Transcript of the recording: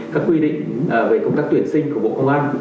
các quy định về công tác tuyển sinh của bộ công an